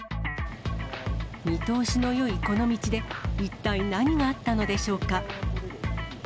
見通しのよいこの道で、一体何があったのでしょうか。